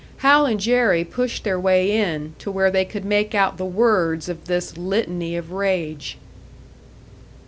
Hal and Jerry pushed their way in, to where they could make out the words of this litany of rage.